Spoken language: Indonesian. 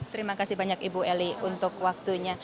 terima kasih banyak ibu eli untuk waktunya